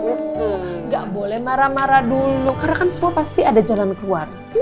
nggak boleh marah marah dulu karena kan semua pasti ada jalan keluar